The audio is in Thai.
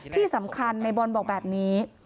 ที่สำคัญในบอลบอกแบบนี้